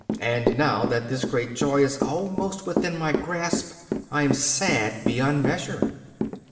And now that this great joy is almost within my grasp, I am sad beyond measure.